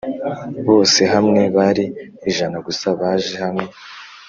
Bose hamwe bari ijana gusa baje hano